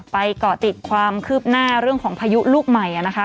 เกาะติดความคืบหน้าเรื่องของพายุลูกใหม่นะคะ